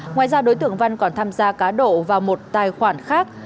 ngoài ra đối tượng văn còn tham gia cá đổ vào một tài khoản khác